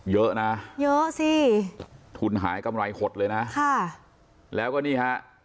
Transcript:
เยอะนะเยอะสิทุนหายกำไรหดเลยนะค่ะแล้วก็นี่ฮะ